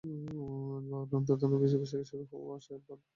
বাবার অন্তর্ধান দিবস থেকে শুরু হওয়া আশায় বাঁধা বুকভরা খুঁজে পাওয়ার ঘোর।